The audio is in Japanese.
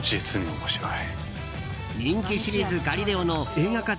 人気シリーズ「ガリレオ」の映画化